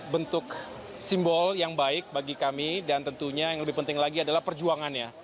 bentuk simbol yang baik bagi kami dan tentunya yang lebih penting lagi adalah perjuangannya